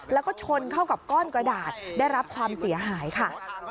แล้วก็ชนเข้ากับก้อนกระดาษได้รับความเสียหายค่ะ